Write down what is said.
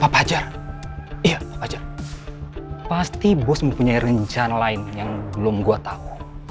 pak pajar iya pak pajar pasti bos mempunyai rencana lain yang belum gue tau